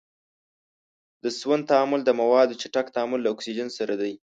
د سون تعامل د موادو چټک تعامل له اکسیجن سره دی.